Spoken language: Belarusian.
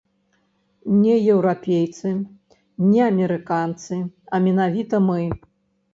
Не еўрапейцы, не амерыканцы, а менавіта мы.